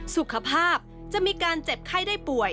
สุขภาพจะมีการเจ็บไข้ได้ป่วย